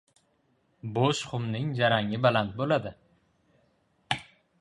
• Bo‘sh xumning jarangi baland bo‘ladi.